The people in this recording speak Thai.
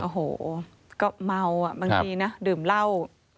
โอ้โหก็เมาอ่ะบางทีนะดื่มเหล้า